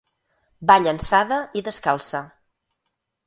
Va llançada i descalça.